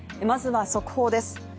まずは、速報です。